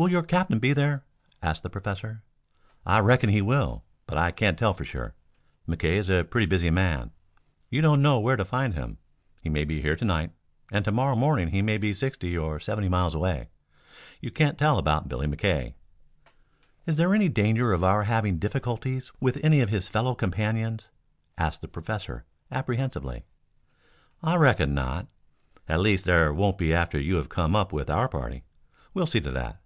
"Will your captain be there?" asked the professor. "I reckon he will But I can't tell for sure. McKay is a pretty busy man. You don't know where to find him. He may be here to night. and to morrow morning he may be sixty or seventy miles away. You can't tell about Billy McKay." "Is there any danger of our having difficulties with any of this fellow's companions?" asked the professor apprehensively. "I reckon not. At least there won't be after you have come up with our party. We'll see to that."